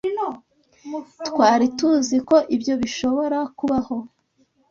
Twari tuzi ko ibyo bishobora kubaho